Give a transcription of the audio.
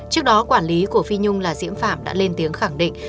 trước đó quản lý của phi nhung là diễm phạm đã lên tiếng khẳng định